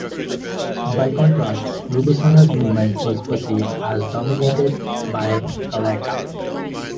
By contrast, Rubusana's movement was perceived as dominated by Gcaleka.